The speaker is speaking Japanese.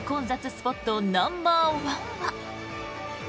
スポットナンバーワンは。